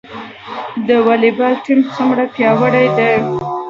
د والیبال ټیم څومره پیاوړی دی؟